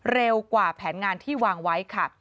เร็วกว่าแผนงานที่วางไว้ค่ะ